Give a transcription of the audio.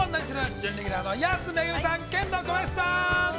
準レギュラーの安めぐみさん、ケンドーコバヤシさん。